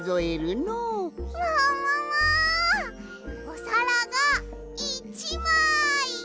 おさらが１まい。